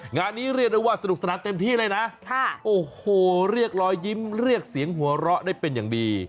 งานนี้เรียกได้ว่าสนุกสนานเต็มที่เลยนะโอ้โหเรียกรอยยิ้มเรียกเสียงหัวเราะได้เป็นอย่างดี